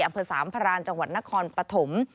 อำเภอสามพรานจังหวัดนครปฐม